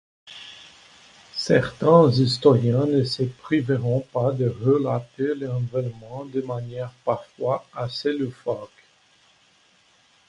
Certains historiens ne se priveront pas de relater l'événement de manière parfois assez loufoque.